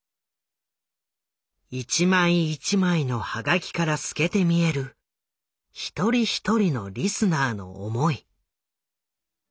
一枚一枚のハガキから透けて見えるひとりひとりのリスナーの思い。